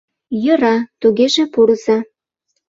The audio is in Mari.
— Йӧра, тугеже пурыза.